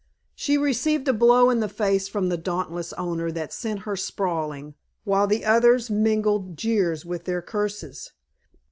She received a blow in the face from the dauntless owner that sent her sprawling, while the others mingled jeers with their curses.